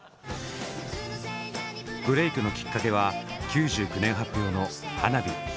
ブレークのきっかけは９９年発表の「花火」。